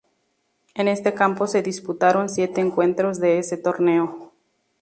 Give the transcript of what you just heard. En este campo se disputaron siete encuentros de ese torneo.